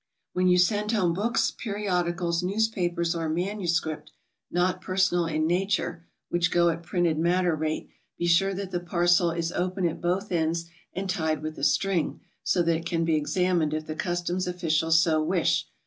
When you send home books, periodicals, newspapers, or manuscript not personal in nature (which go at printed matter rate), be sure that the parcel is open at both ends, and tied with a string, so that it can be examined if the cus toms officials so wish.